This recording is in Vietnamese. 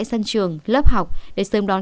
sân trường lớp học để sớm đón